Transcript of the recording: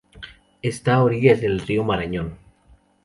Está a orillas del Río Marañón.